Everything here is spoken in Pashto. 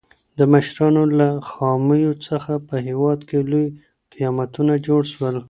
د مشرانو له خامیو څخه په هېواد کي لوی قیامتونه جوړ سول.